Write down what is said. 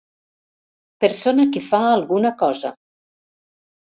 Persona que fa alguna cosa.